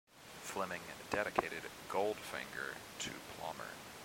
Fleming dedicated "Goldfinger" to Plomer.